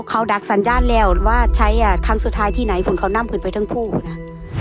เขาดักสัญญาณแล้วว่าใช้อ่ะครั้งสุดท้ายที่ไหนฝนเขานำผื่นไปทั้งคู่นะ